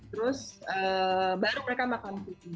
terus baru mereka makan cuci